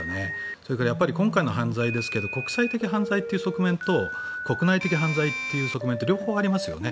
それから、今回の犯罪ですが国際的犯罪という側面と国内的犯罪という側面と両方ありますよね。